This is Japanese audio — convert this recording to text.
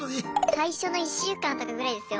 最初の１週間とかぐらいですよ。